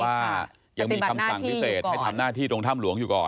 ว่ายังมีคำสั่งพิเศษให้ทำหน้าที่ตรงถ้ำหลวงอยู่ก่อน